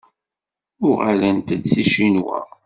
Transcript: Uɣalent-d seg Ccinwa.